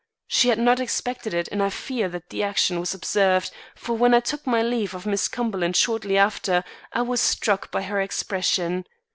She had not expected it and I fear that the action was observed, for when I took my leave of Miss Cumberland shortly after, I was struck by her expression.